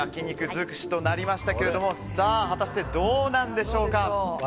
づくしとなりましたが果たしてどうなんでしょうか。